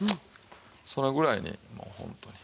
それぐらいにもうホントに。